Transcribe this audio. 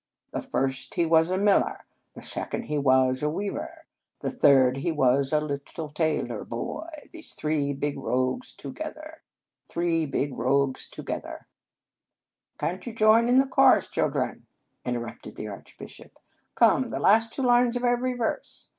* The first, he was a miller, The second, he was a weaver, The third, he was a little tailor boy, Three big rogues together." " Can t you join in the chorus, chil dren?" interrupted the Archbishop. "Come! the last two lines of every verse."